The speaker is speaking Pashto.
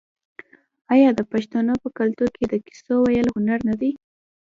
آیا د پښتنو په کلتور کې د کیسو ویل هنر نه دی؟